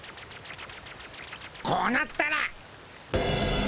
こうなったら。